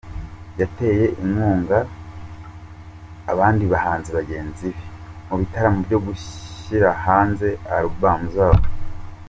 Yateye inkunga abandi bahanzi bagenzi be mu bitaramo byo gushyira hanze album zabo.